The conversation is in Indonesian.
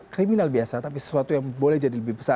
kriminal biasa tapi sesuatu yang boleh jadi lebih besar